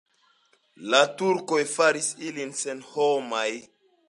La turkoj faris ilin senhomaj.